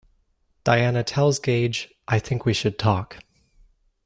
Diana tells Gage "I think we should talk".